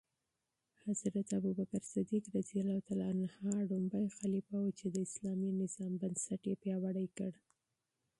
ابوبکر صدیق لومړی خلیفه و چې د اسلامي نظام بنسټ یې پیاوړی کړ.